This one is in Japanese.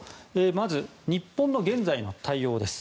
まず、日本の現在の対応です。